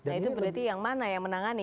nah itu berarti yang mana yang menangani